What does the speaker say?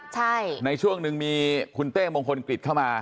ใช่ในช่วงหนึ่งมีคุณเต้มงคลกฤษเข้ามา